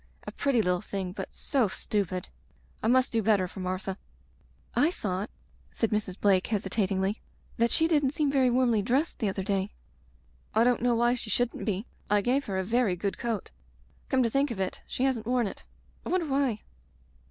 A pretty little thing, but so stupid. I must do better for Martha.'' "I thought/* said Mrs. Blake hesitatingly, "that she didn't seem very warmly dressed the other day." "I don't know why she shouldn't be. I gave her a very good coat. Come to think of it, she hasn't worn it. I wonder why